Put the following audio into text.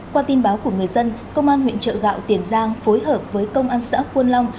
qua tin báo của người dân công an huyện trợ gạo tiền giang phối hợp với công an xã quân long